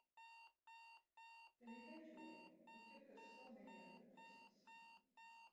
Then, eventually, it took us so many other places.